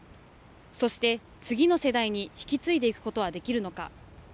そして、次の世代に引き継いでいくことはできるのか。